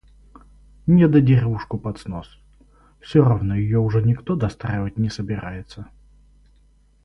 Недодеревушку под снос. Все равно ее уже никто достраивать не собирается.